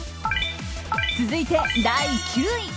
続いて第９位。